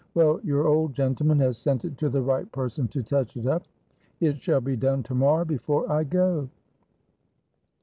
Well, your old gentleman has sent it to the right person to touch it up. It shall be done to morrow before I go."